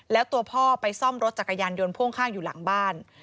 แล้วตัวพ่อไปซ่อมรถจักรยานยนต์พ่วงข้างอยู่หลังบ้าน